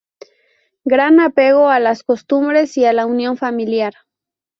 Gran apego a las costumbres y a la unión familiar.